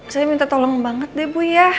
saya minta tolong banget deh bu ya